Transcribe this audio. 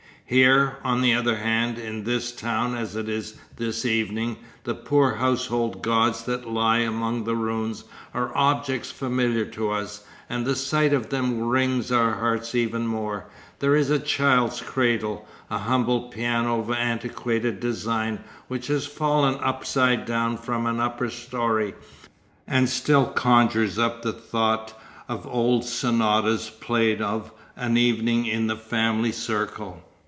Here, on the other hand, in this town as it is this evening, the poor household gods that lie among the ruins are objects familiar to us, and the sight of them wrings our hearts even more. There is a child's cradle, a humble piano of antiquated design, which has fallen upside down from an upper story, and still conjures up the thought of old sonatas played of an evening in the family circle.